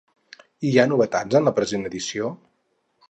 Hi ha novetats en la present edició?